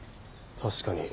確かに。